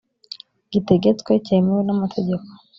gitegetswe cyemewe n’amategeko